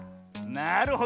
なるほど。